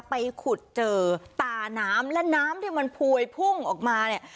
ไปขุดเจอตาน้ำและน้ำที่มันพวยพุ่งออกมาเนี่ย